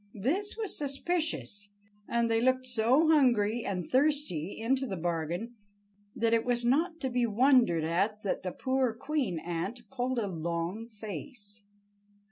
This was suspicious, and they looked so hungry and thirsty, into the bargain, that it was not to be wondered at that the poor queen ant pulled a long face.